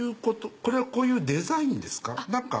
これはこういうデザインですか？